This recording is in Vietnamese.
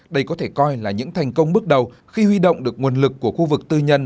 đây có thể coi là những thành công bước đầu khi huy động được nguồn lực của khu vực tư nhân